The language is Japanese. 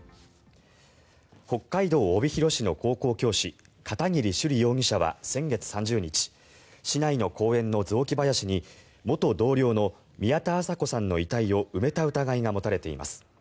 北海道帯広市の高校教師片桐朱璃容疑者は先月３０日市内の公園の雑木林に元同僚の宮田麻子さんの遺体を埋めた疑いが持たれています。